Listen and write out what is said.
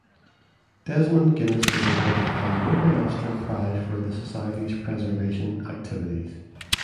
Desmond Guinness was awarded a Europa Nostra prize for the Society's preservation activities.